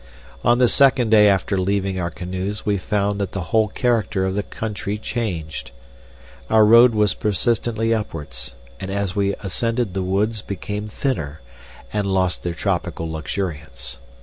On the second day after leaving our canoes we found that the whole character of the country changed. Our road was persistently upwards, and as we ascended the woods became thinner and lost their tropical luxuriance.